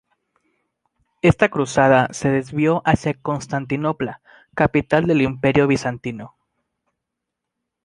Esta cruzada se desvió hacia Constantinopla, capital del Imperio bizantino.